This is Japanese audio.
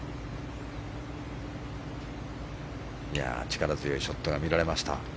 力強いショットが見られました。